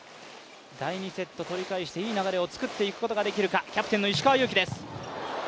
第２セット、取り返していい流れを作っていくことができるかキャプテンの石川祐希です。